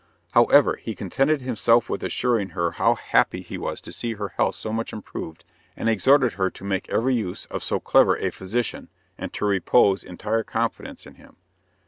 However he contented himself with assuring her how happy he was to see her health so much improved, and exhorted her to make every use of so clever a physician, and to repose entire confidence in him.